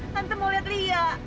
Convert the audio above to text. tante mau lihat lia